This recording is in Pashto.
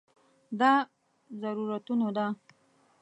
دا ضرورتونو ده.